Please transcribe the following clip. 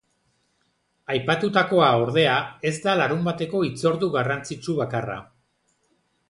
Aipatutakoa, ordea, ez da larunbateko hitzordu garrantzitsu bakarra.